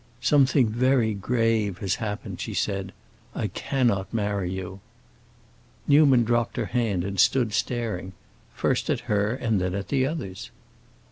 "Something very grave has happened," she said. "I cannot marry you." Newman dropped her hand and stood staring, first at her and then at the others.